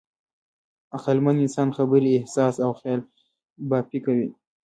عقلمن انسان خبرې، احساس او خیالبافي کوي.